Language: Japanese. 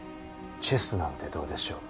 チェスなんてどうでしょう？